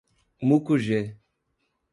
Mucugê